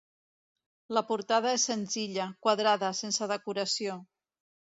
La portada és senzilla, quadrada, sense decoració.